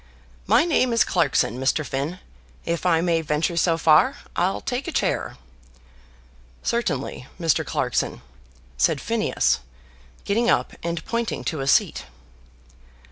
"My name is Clarkson, Mr. Finn. If I may venture so far, I'll take a chair." "Certainly, Mr. Clarkson," said Phineas, getting up and pointing to a seat.